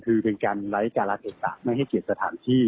คือเป็นการไร้การระเทศไม่ให้เกียจสถานที่